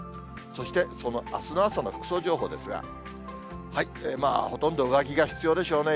そして、そのあすの朝の服装情報ですが、ほとんど上着が必要でしょうね。